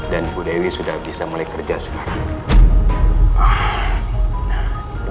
dan bu dewi sudah bisa mulai kerja sekarang